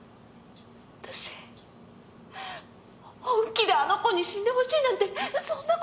私本気であの子に死んで欲しいなんてそんな事！